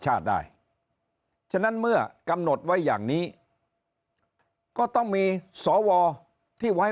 ได้ฉะนั้นเมื่อกำหนดไว้อย่างนี้ก็ต้องมีสวที่ไว้